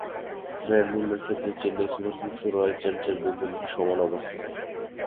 Brand মূল্যের ক্ষেত্রে Chennai super kings ও রয়্যাল চ্যালেঞ্জার্স বেঙ্গালুরু সমান অবস্থানে।